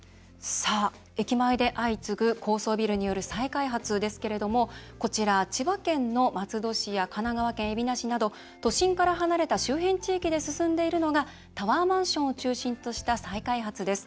駅前で相次ぐ高層ビルによる再開発ですがこちら、千葉県の松戸市や神奈川県海老名市など都心から離れた周辺地域で進んでいるのがタワーマンションを中心とした再開発です。